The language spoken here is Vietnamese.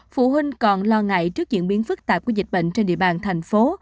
phụ huynh còn lo ngại trước diễn biến phức tạp của dịch bệnh trên địa bàn thành phố